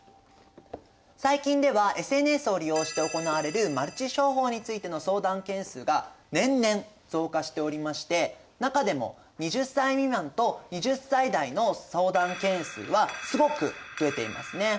最近ではＳＮＳを利用して行われるマルチ商法についての相談件数が年々増加しておりまして中でも２０歳未満と２０歳代の相談件数はすごく増えていますね。